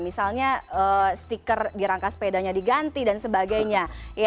misalnya stiker di rangka sepedanya diganti dan sebagainya